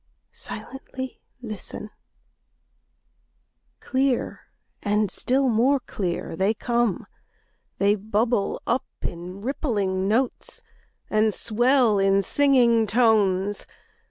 Silently listen! Clear, and still more clear, they come. They bubble up in rippling notes, and swell in singing tones.